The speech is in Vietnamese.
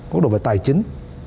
góc độ về tài chính